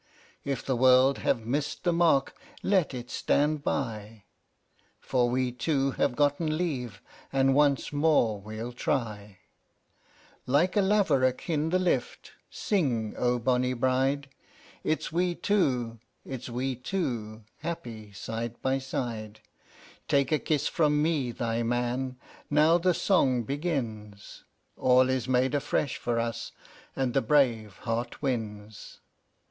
If the world have missed the mark, let it stand by, For we two have gotten leave, and once more we'll try. III. Like a laverock in the lift, sing, O bonny bride! It's we two, it's we two, happy side by side. Take a kiss from me thy man; now the song begins: "All is made afresh for us, and the brave heart wins."